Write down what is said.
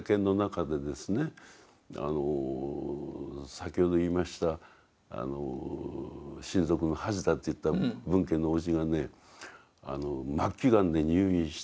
先ほど言いました親族の恥だと言った分家のおじがね末期がんで入院した。